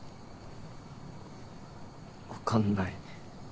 分かんない